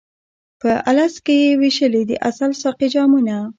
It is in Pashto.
په الست کي یې وېشلي د ازل ساقي جامونه